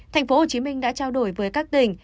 tp hcm đã trao đổi với các tỉnh